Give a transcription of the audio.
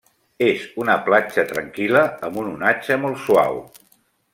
És una platja tranquil·la, amb un onatge molt suau.